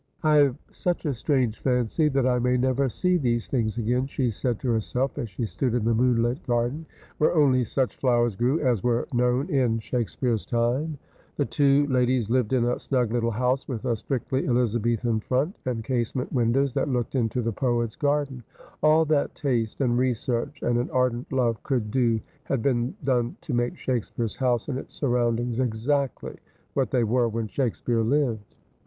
' I have such a strange fancy that I may never see these things again,' she said to herself as she stood in the moonlit garden, where only such flowers grew as were known in Shake speare's time. The two ladies lived in a snug little house with a strictly Elizabethan front, and casement windows that looked into the poet's garden. All that taste, and research, and an ardent love could do had been done to make Shakespeare's house and its surroundings exactly what they were when Shakespeare lived.